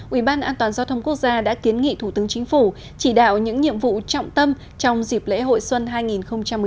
ubnd đã kiến nghị thủ tướng chính phủ chỉ đạo những nhiệm vụ trọng tâm trong dịp lễ hội xuân hai nghìn một mươi chín